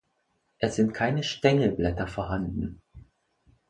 Es sind keine Stängelblätter vorhanden.